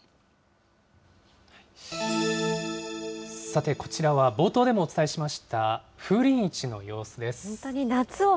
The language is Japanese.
さて、こちらは冒頭でもお伝えしました風鈴市の様子です。